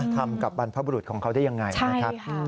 ทำกับบรรพบุรุษของเขาได้อย่างไร